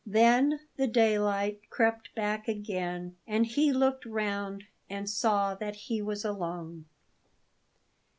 Then the daylight crept back again, and he looked round and saw that he was alone.